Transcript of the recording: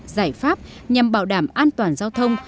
giải pháp nhằm bảo đảm an toàn giao thông